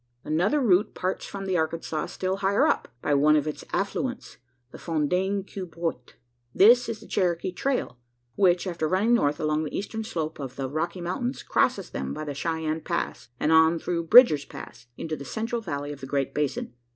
Another route parts from the Arkansas still higher up by one of its affluents, the Fontaine que bouit. This is the "Cherokee trail," which, after running north along the eastern slope of the Rocky Mountains, crosses them by the Cheyenne Pass, and on through Bridger's Pass into the central valley of the Great Basin.